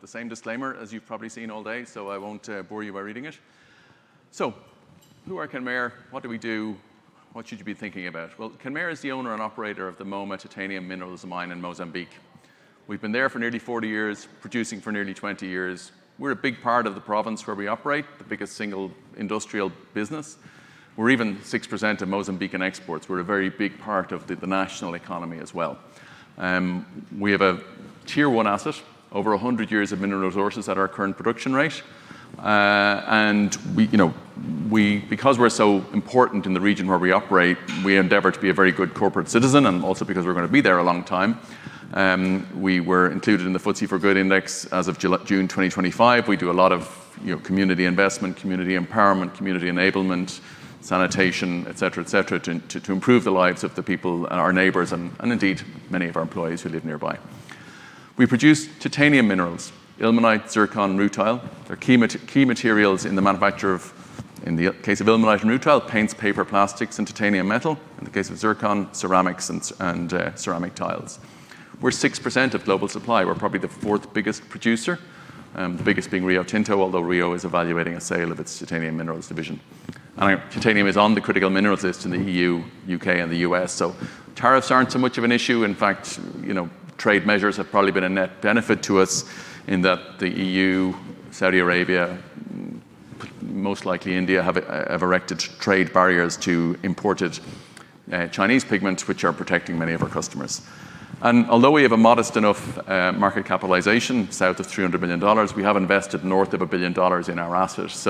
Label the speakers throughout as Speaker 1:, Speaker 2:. Speaker 1: The same disclaimer as you've probably seen all day, so I won't bore you by reading it. Who are Kenmare? What do we do? What should you be thinking about? Well, Kenmare is the owner and operator of the Moma Titanium Minerals Mine in Mozambique. We've been there for nearly 40 years, producing for nearly 20 years. We're a big part of the province where we operate, the biggest single industrial business. We're even 6% of Mozambique in exports. We're a very big part of the national economy as well. We have a Tier 1 asset, over 100 years of mineral resources at our current production rate. Because we're so important in the region where we operate, we endeavor to be a very good corporate citizen, and also because we're going to be there a long time. We were included in the FTSE4Good Index as of June 2025. We do a lot of community investment, community empowerment, community enablement, sanitation, et cetera, to improve the lives of the people, our neighbors, and indeed, many of our employees who live nearby. We produce titanium minerals, ilmenite, zircon, rutile. They're key materials in the manufacture of, in the case of ilmenite and rutile, paints, paper, plastics, and titanium metal, in the case of zircon, ceramics and ceramic tiles. We're 6% of global supply. We're probably the fourth biggest producer, the biggest being Rio Tinto, although Rio is evaluating a sale of its titanium minerals division. Titanium is on the critical minerals list in the E.U., U.K., and the U.S., so tariffs aren't so much of an issue. In fact, trade measures have probably been a net benefit to us in that the E.U., Saudi Arabia, most likely India, have erected trade barriers to imported Chinese pigments, which are protecting many of our customers. Although we have a modest enough market capitalization, south of $300 million, we have invested north of $1 billion in our assets.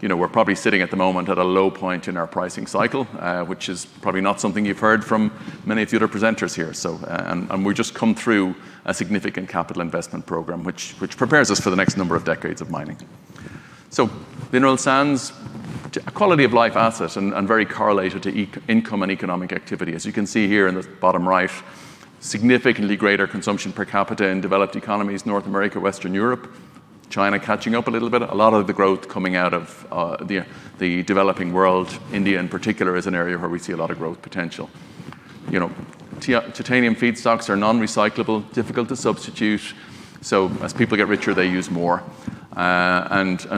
Speaker 1: We're probably sitting at the moment at a low point in our pricing cycle, which is probably not something you've heard from many of the other presenters here. We've just come through a significant capital investment program, which prepares us for the next number of decades of mining. Mineral sands, a quality-of-life asset and very correlated to income and economic activity. As you can see here in the bottom right, significantly greater consumption per capita in developed economies, North America, Western Europe, China catching up a little bit. A lot of the growth coming out of the developing world, India, in particular, is an area where we see a lot of growth potential. Titanium feedstocks are non-recyclable, difficult to substitute. As people get richer, they use more.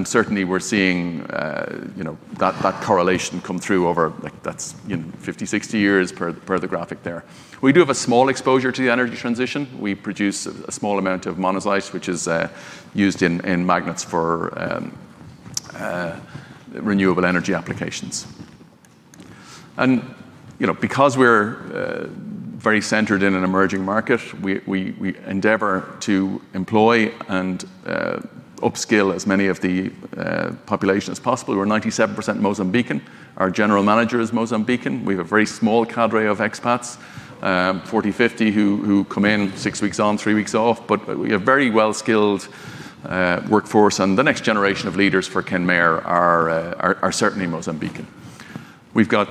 Speaker 1: Certainly, we're seeing that correlation come through over 50 years-60 years per the graphic there. We do have a small exposure to the energy transition. We produce a small amount of monazite, which is used in magnets for renewable energy applications. Because we're very centered in an emerging market, we endeavor to employ and upskill as many of the population as possible. We're 97% Mozambican. Our General Manager is Mozambican. We have a very small cadre of expats, 40-50, who come in six weeks on, three weeks off. We have a very well-skilled workforce and the next generation of leaders for Kenmare are certainly Mozambican. We've got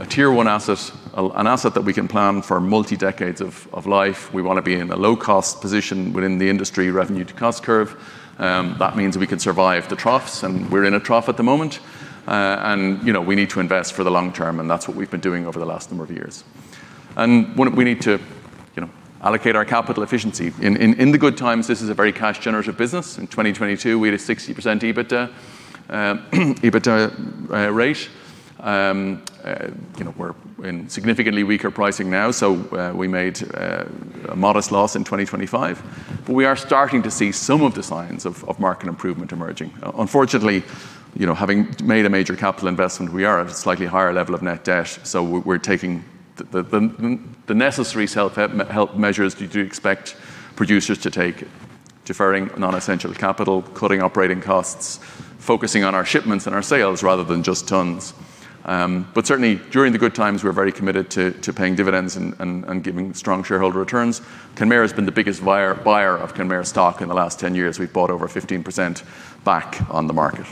Speaker 1: a Tier 1 asset, an asset that we can plan for multi-decades of life. We want to be in a low-cost position within the industry revenue-to-cost curve. That means we can survive the troughs, and we're in a trough at the moment. We need to invest for the long term, and that's what we've been doing over the last number of years. We need to allocate our capital efficiently. In the good times, this is a very cash-generative business. In 2022, we had a 60% EBITDA rate. We're in significantly weaker pricing now, so we made a modest loss in 2025. We are starting to see some of the signs of market improvement emerging. Unfortunately, having made a major capital investment, we are at a slightly higher level of net debt, so we're taking the necessary measures you do expect producers to take, deferring non-essential capital, cutting operating costs, focusing on our shipments and our sales rather than just tons. Certainly, during the good times, we're very committed to paying dividends and giving strong shareholder returns. Kenmare has been the biggest buyer of Kenmare stock in the last 10 years. We've bought over 15% back on the market.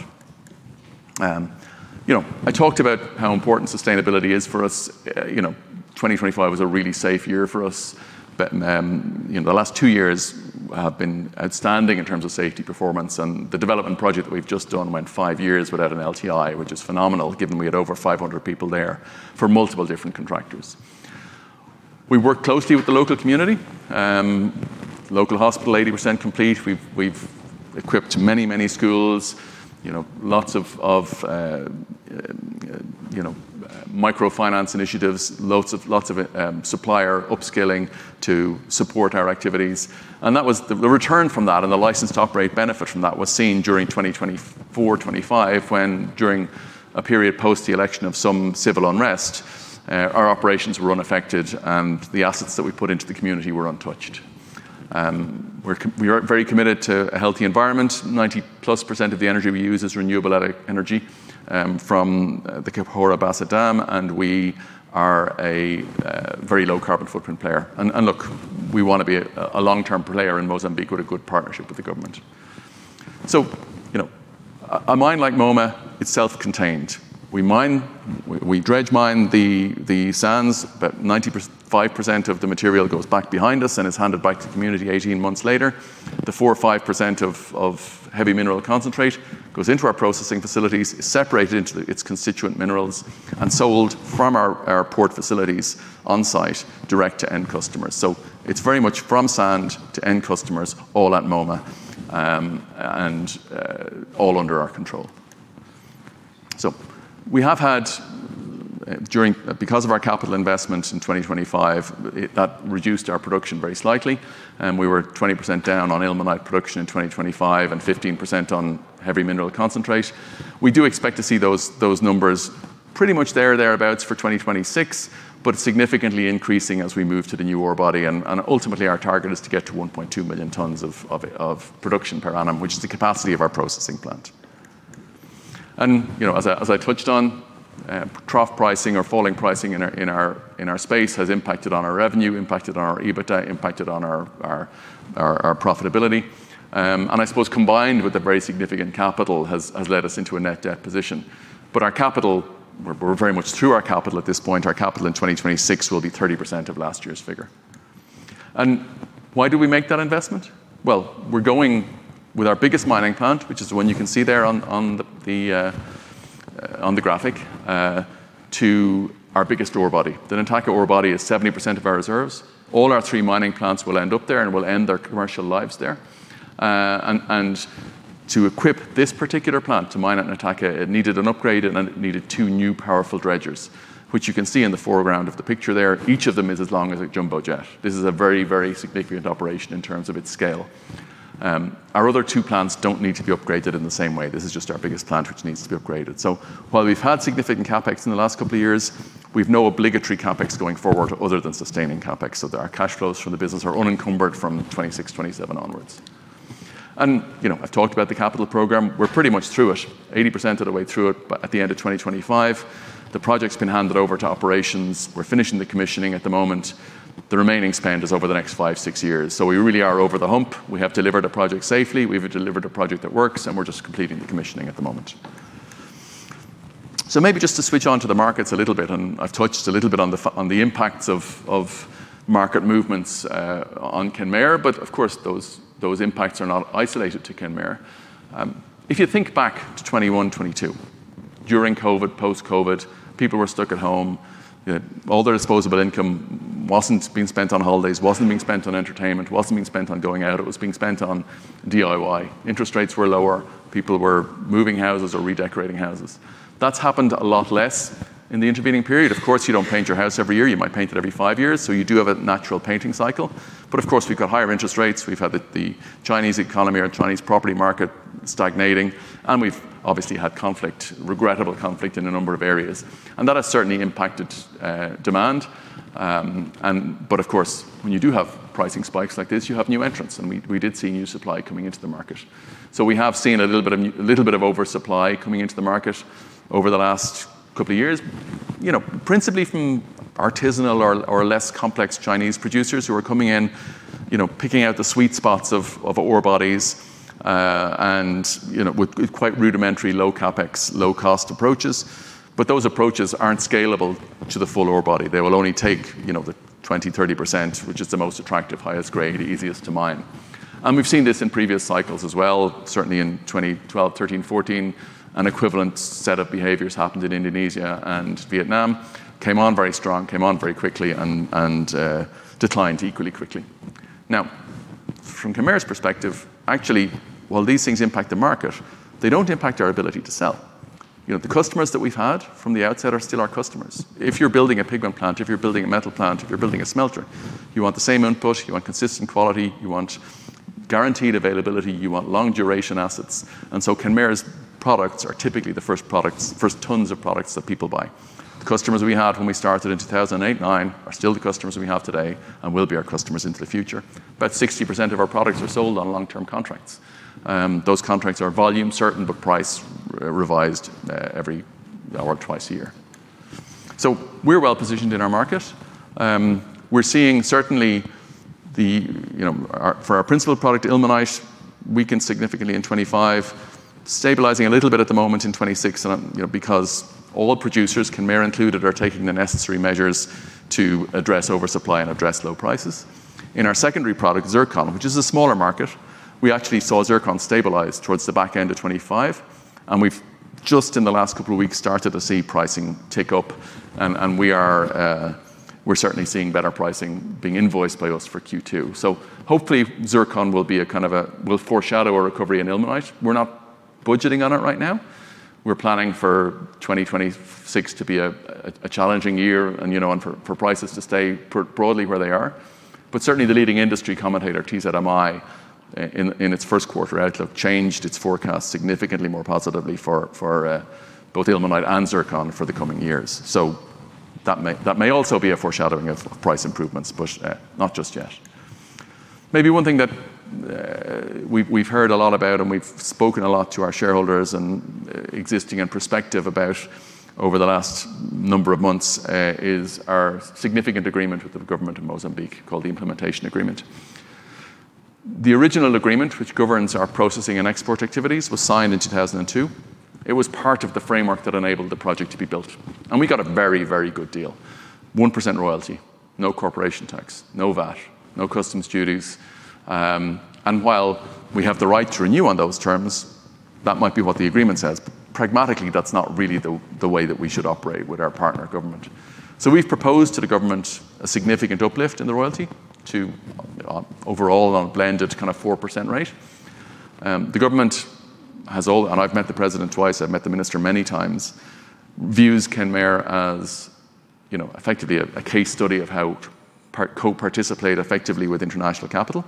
Speaker 1: I talked about how important sustainability is for us. 2025 was a really safe year for us. The last two years have been outstanding in terms of safety performance, and the development project that we've just done went five years without an LTI, which is phenomenal given we had over 500 people there for multiple different contractors. We work closely with the local community. Local hospital, 80% complete. We've equipped many schools, lots of microfinance initiatives, lots of supplier upskilling to support our activities. The return from that and the licensed operate benefit from that was seen during 2024, 2025, when during a period post the election of some civil unrest, our operations were unaffected, and the assets that we put into the community were untouched. We are very committed to a healthy environment. 90%+ of the energy we use is renewable energy from the Cahora Bassa Dam, and we are a very low carbon footprint player. Look, we want to be a long-term player in Mozambique with a good partnership with the government. A mine like Moma, it's self-contained. We dredge mine the sands. About 95% of the material goes back behind us and is handed back to the community 18 months later. The 4% or 5% of heavy mineral concentrate goes into our processing facilities, is separated into its constituent minerals, and sold from our port facilities on-site direct to end customers. It's very much from sand to end customers, all at Moma, and all under our control. We have had, because of our capital investment in 2025, that reduced our production very slightly, and we were 20% down on ilmenite production in 2025 and 15% on heavy mineral concentrate. We do expect to see those numbers pretty much there, thereabouts for 2026, but significantly increasing as we move to the new ore body and ultimately our target is to get to 1.2 million tons of production per annum, which is the capacity of our processing plant. As I touched on, trough pricing or falling pricing in our space has impacted on our revenue, impacted on our EBITDA, impacted on our profitability. I suppose combined with the very significant capital has led us into a net debt position. Our capital, we're very much through our capital at this point. Our capital in 2026 will be 30% of last year's figure. Why do we make that investment? Well, we're going with our biggest mining plant, which is the one you can see there on the graphic, to our biggest ore body. The Nataka ore body is 70% of our reserves. All our three mining plants will end up there and will end their commercial lives there. To equip this particular plant to mine at Nataka, it needed an upgrade and it needed two new powerful dredgers, which you can see in the foreground of the picture there. Each of them is as long as a jumbo jet. This is a very significant operation in terms of its scale. Our other two plants don't need to be upgraded in the same way. This is just our biggest plant, which needs to be upgraded. While we've had significant CapEx in the last couple of years, we've no obligatory CapEx going forward other than sustaining CapEx. Our cash flows from the business are unencumbered from 2026-2027 onwards. I've talked about the capital program. We're pretty much through it. 80% of the way through it at the end of 2025. The project's been handed over to operations. We're finishing the commissioning at the moment. The remaining spend is over the next five, six years. We really are over the hump. We have delivered a project safely. We have delivered a project that works, and we're just completing the commissioning at the moment. Maybe just to switch on to the markets a little bit, and I've touched a little bit on the impacts of market movements on Kenmare. Of course, those impacts are not isolated to Kenmare. If you think back to 2021, 2022, during COVID, post-COVID, people were stuck at home. All their disposable income wasn't being spent on holidays, wasn't being spent on entertainment, wasn't being spent on going out. It was being spent on DIY. Interest rates were lower. People were moving houses or redecorating houses. That's happened a lot less in the intervening period. Of course, you don't paint your house every year. You might paint it every five years, so you do have a natural painting cycle. Of course, we've got higher interest rates. We've had the Chinese economy or Chinese property market stagnating, and we've obviously had conflict, regrettable conflict, in a number of areas. That has certainly impacted demand, but of course, when you do have pricing spikes like this, you have new entrants, and we did see new supply coming into the market. We have seen a little bit of oversupply coming into the market over the last couple of years, principally from artisanal or less complex Chinese producers who are coming in, picking out the sweet spots of ore bodies, and with quite rudimentary low CapEx, low-cost approaches. Those approaches aren't scalable to the full ore body. They will only take the 20%-30%, which is the most attractive, highest grade, easiest to mine. We've seen this in previous cycles as well, certainly in 2012, 2013, 2014. An equivalent set of behaviors happened in Indonesia and Vietnam. They came on very strong, came on very quickly and declined equally quickly. Now, from Kenmare's perspective, actually, while these things impact the market, they don't impact our ability to sell. The customers that we've had from the outset are still our customers. If you're building a pigment plant, if you're building a metal plant, if you're building a smelter, you want the same input, you want consistent quality, you want guaranteed availability, you want long-duration assets. Kenmare's products are typically the first tons of products that people buy. The customers we had when we started in 2008, 2009 are still the customers we have today and will be our customers into the future. About 60% of our products are sold on long-term contracts. Those contracts are volume certain, but price revised every or twice a year. We're well-positioned in our market. We're seeing certainly for our principal product, ilmenite, weakened significantly in 2025, stabilizing a little bit at the moment in 2026, because all producers, Kenmare included, are taking the necessary measures to address oversupply and address low prices. In our secondary product, zircon, which is a smaller market, we actually saw zircon stabilize towards the back end of 2025, and we've just in the last couple of weeks, started to see pricing tick up, and we're certainly seeing better pricing being invoiced by us for Q2. Hopefully, zircon will foreshadow a recovery in ilmenite. We're not budgeting on it right now. We're planning for 2026 to be a challenging year and for prices to stay broadly where they are. Certainly, the leading industry commentator, TZMI, in its first quarter outlook, changed its forecast significantly more positively for both ilmenite and zircon for the coming years. That may also be a foreshadowing of price improvements, but not just yet. Maybe one thing that we've heard a lot about and we've spoken a lot to our shareholders and existing and prospective about over the last number of months is our significant agreement with the government of Mozambique called the Implementation Agreement. The original agreement, which governs our processing and export activities, was signed in 2002. It was part of the framework that enabled the project to be built. We got a very good deal. One percent royalty, no corporation tax, no VAT, no customs duties. While we have the right to renew on those terms, that might be what the agreement says, but pragmatically, that's not really the way that we should operate with our partner government. We've proposed to the government a significant uplift in the royalty overall on a blended kind of 4% rate. I've met the president twice, I've met the Minister many times. The government views Kenmare as effectively a case study of how to co-participate effectively with international capital.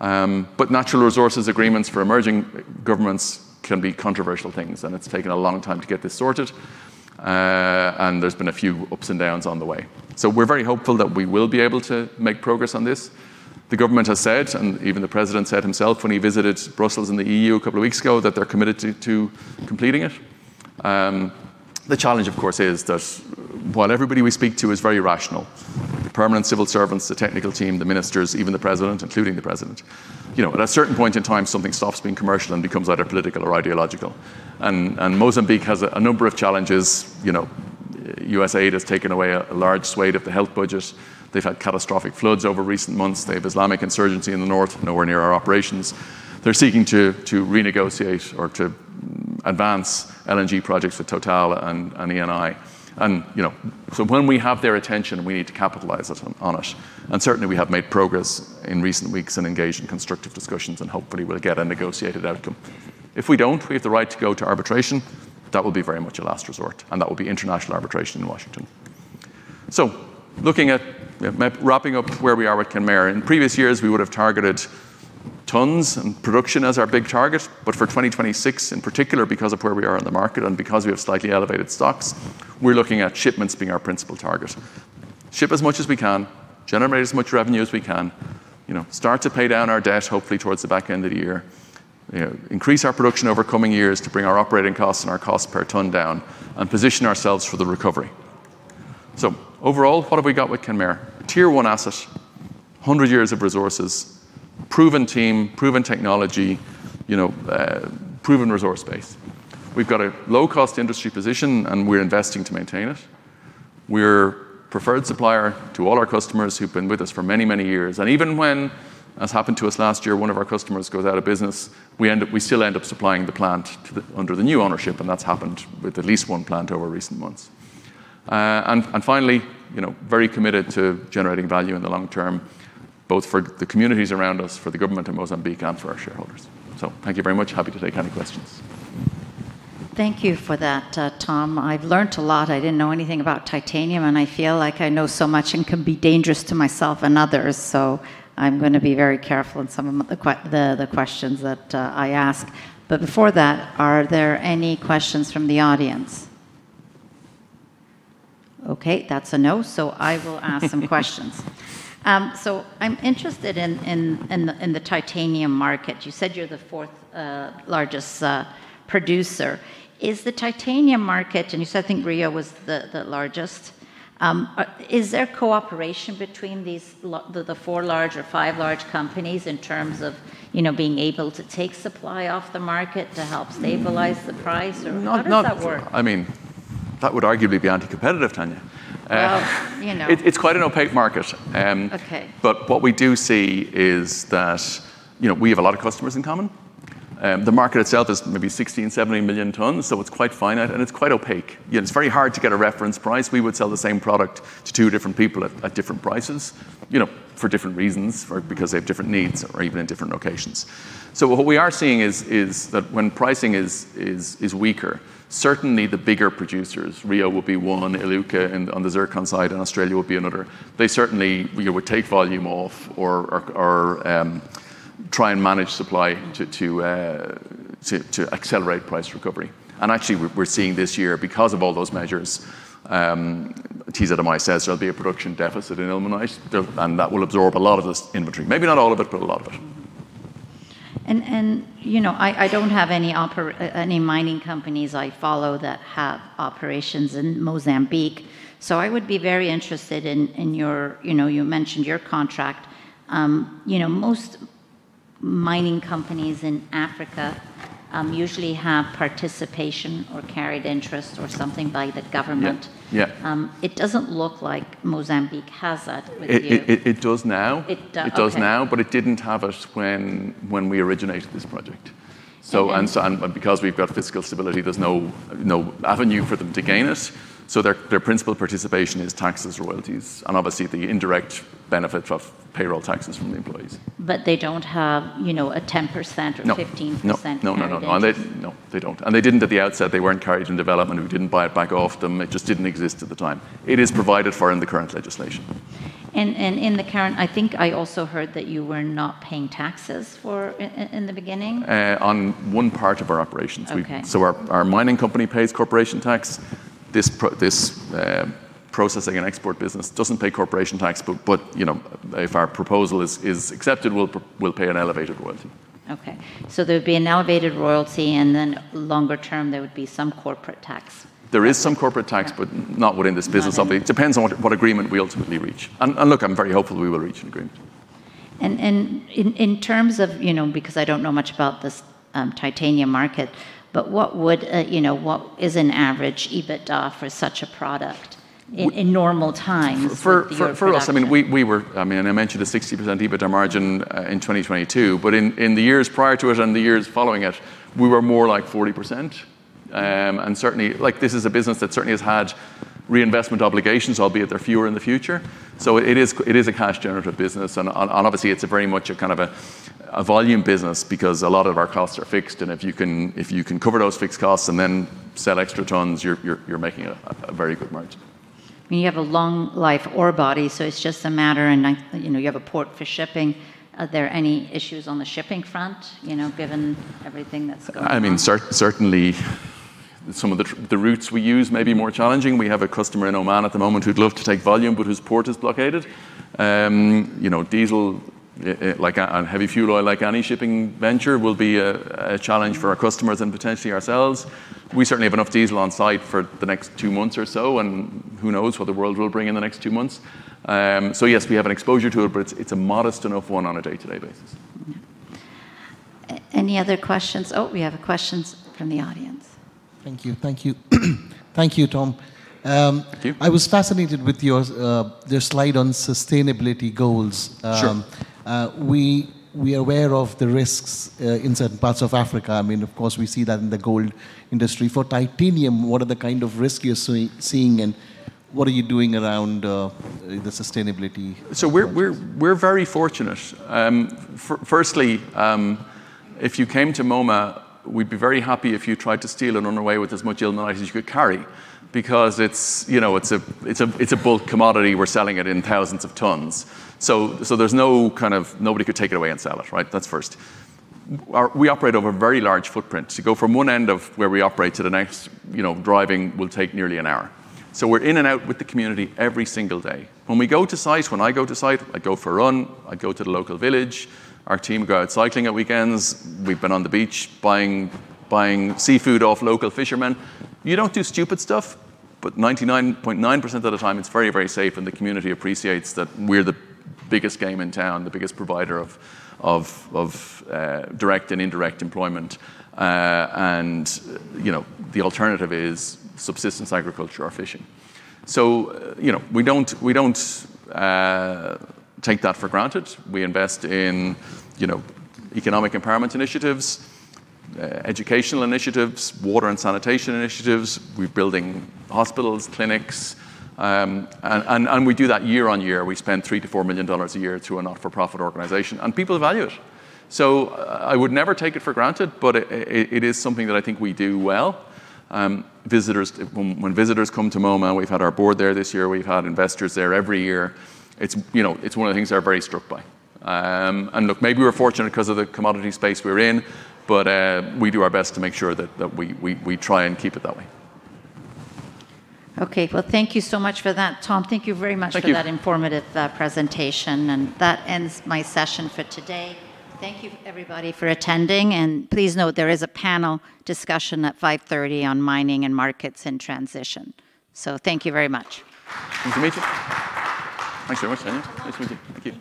Speaker 1: Natural resources agreements for emerging governments can be controversial things, and it's taken a long time to get this sorted. There's been a few ups and downs on the way. We're very hopeful that we will be able to make progress on this. The government has said, and even the president said himself when he visited Brussels in the E.U. a couple of weeks ago, that they're committed to completing it. The challenge, of course, is that while everybody we speak to is very rational, the permanent civil servants, the technical team, the ministers, including the President, at a certain point in time something stops being commercial and becomes either political or ideological. Mozambique has a number of challenges. USAID has taken away a large swath of the health budget. They've had catastrophic floods over recent months. They have Islamic insurgency in the north, nowhere near our operations. They're seeking to renegotiate or to advance LNG projects with Total and Eni. When we have their attention, we need to capitalize on it. Certainly, we have made progress in recent weeks and engaged in constructive discussions, and hopefully we'll get a negotiated outcome. If we don't, we have the right to go to arbitration. That will be very much a last resort, and that will be international arbitration in Washington. Wrapping up where we are with Kenmare, in previous years, we would have targeted tons and production as our big target. For 2026 in particular, because of where we are in the market and because we have slightly elevated stocks, we're looking at shipments being our principal target. Ship as much as we can, generate as much revenue as we can, start to pay down our debt hopefully towards the back end of the year. Increase our production over coming years to bring our operating costs and our cost per ton down, and position ourselves for the recovery. Overall, what have we got with Kenmare? A Tier 1 asset, 100 years of resources, proven team, proven technology, proven resource base. We've got a low-cost industry position, and we're investing to maintain it. We're preferred supplier to all our customers who've been with us for many, many years. Even when, as happened to us last year, one of our customers goes out of business, we still end up supplying the plant under the new ownership, and that's happened with at least one plant over recent months. Finally, very committed to generating value in the long term, both for the communities around us, for the government of Mozambique, and for our shareholders. Thank you very much. Happy to take any questions.
Speaker 2: Thank you for that, Tom. I've learned a lot. I didn't know anything about titanium, and I feel like I know so much and can be dangerous to myself and others. I'm going to be very careful in some of the questions that I ask. Before that, are there any questions from the audience? Okay, that's a no. I will ask some questions. I'm interested in the titanium market. You said you're the fourth largest producer. You said, I think Rio was the largest. Is there cooperation between the four large or five large companies in terms of being able to take supply off the market to help stabilize the price, or how does that work?
Speaker 1: I mean, that would arguably be anti-competitive, Tanya.
Speaker 2: Well, you know.
Speaker 1: It's quite an opaque market.
Speaker 2: Okay.
Speaker 1: What we do see is that we have a lot of customers in common. The market itself is maybe 16 million-17 million tons, so it's quite finite and it's quite opaque. It's very hard to get a reference price. We would sell the same product to two different people at different prices for different reasons, because they have different needs or even in different locations. What we are seeing is that when pricing is weaker, certainly the bigger producers, Rio would be one, Iluka on the zircon side in Australia would be another. They certainly would take volume off or try and manage supply to accelerate price recovery. Actually, we're seeing this year, because of all those measures, TZMI says there'll be a production deficit in ilmenite, and that will absorb a lot of this inventory, maybe not all of it, but a lot of it.
Speaker 2: I don't have any mining companies I follow that have operations in Mozambique, so I would be very interested in, you mentioned your contract. Most mining companies in Africa usually have participation or carried interest or something by the government.
Speaker 1: Yeah.
Speaker 2: It doesn't look like Mozambique has that with you.
Speaker 1: It does now.
Speaker 2: It does, okay.
Speaker 1: It does now, but it didn't have it when we originated this project. Because we've got fiscal stability, there's no avenue for them to gain it, so their principal participation is taxes, royalties, and obviously the indirect benefit of payroll taxes from the employees.
Speaker 2: They don't have a 10% or 15% carried interest?
Speaker 1: No, they don't. And they didn't at the outset. They weren't carried in development. We didn't buy it back off them. It just didn't exist at the time. It is provided for in the current legislation.
Speaker 2: I think I also heard that you were not paying taxes in the beginning?
Speaker 1: On one part of our operations.
Speaker 2: Okay.
Speaker 1: Our mining company pays corporation tax. This processing and export business doesn't pay corporation tax, but if our proposal is accepted we'll pay an elevated royalty.
Speaker 2: Okay. There would be an elevated royalty, and then longer term there would be some corporate tax.
Speaker 1: There is some corporate tax, but not within this business.
Speaker 2: Okay.
Speaker 1: It depends on what agreement we ultimately reach. Look, I'm very hopeful we will reach an agreement.
Speaker 2: In terms of, because I don't know much about this titanium market, but what is an average EBITDA for such a product in normal times for your production?
Speaker 1: For us, and I mentioned a 60% EBITDA margin in 2022, but in the years prior to it and the years following it, we were more like 40%. Certainly, this is a business that certainly has had reinvestment obligations, albeit they're fewer in the future. It is a cash generative business, and obviously it's very much a kind of volume business because a lot of our costs are fixed, and if you can cover those fixed costs and then sell extra tons, you're making a very good margin.
Speaker 2: You have a long-life ore body. You have a port for shipping. Are there any issues on the shipping front, given everything that's going on?
Speaker 1: Certainly some of the routes we use may be more challenging. We have a customer in Oman at the moment who'd love to take volume but whose port is blockaded. Diesel and heavy fuel oil, like any shipping venture, will be a challenge for our customers and potentially ourselves. We certainly have enough diesel on site for the next two months or so, and who knows what the world will bring in the next two months. Yes, we have an exposure to it, but it's a modest enough one on a day-to-day basis.
Speaker 2: Any other questions? Oh, we have a question from the audience.
Speaker 3: Thank you, Tom.
Speaker 1: Thank you.
Speaker 3: I was fascinated with your slide on sustainability goals.
Speaker 1: Sure.
Speaker 3: We are aware of the risks in certain parts of Africa. I mean, of course, we see that in the gold industry. For titanium, what are the kind of risks you're seeing, and what are you doing around the sustainability?
Speaker 1: We're very fortunate. Firstly, if you came to Moma, we'd be very happy if you tried to steal and run away with as much ilmenite as you could carry because it's a bulk commodity. We're selling it in thousands of tons. Nobody could take it away and sell it, right? That's first. We operate over a very large footprint. To go from one end of where we operate to the next, driving will take nearly an hour. We're in and out with the community every single day. When we go to site, when I go to site, I go for a run. I go to the local village. Our team go out cycling at weekends. We've been on the beach buying seafood off local fishermen. You don't do stupid stuff, but 99.9% of the time, it's very, very safe, and the community appreciates that we're the biggest game in town, the biggest provider of direct and indirect employment. The alternative is subsistence agriculture or fishing. We don't take that for granted. We invest in economic empowerment initiatives, educational initiatives, water and sanitation initiatives. We're building hospitals, clinics, and we do that year on year. We spend $3 million-$4 million a year through a not-for-profit organization, and people value it. I would never take it for granted, but it is something that I think we do well. When visitors come to Moma, we've had our board there this year. We've had investors there every year. It's one of the things they're very struck by. Look, maybe we're fortunate because of the commodity space we're in, but we do our best to make sure that we try and keep it that way.
Speaker 2: Okay. Well, thank you so much for that, Tom. Thank you very much.
Speaker 1: Thank you.
Speaker 2: Thank you for that informative presentation. That ends my session for today. Thank you everybody for attending, and please note there is a panel discussion at 5:30 P.M. on Mining and Markets in Transition. Thank you very much
Speaker 1: Nice to meet you. Thanks very much, Tanya. Nice to meet you. Thank you.